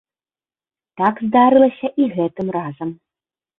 Так здарылася і гэтым разам.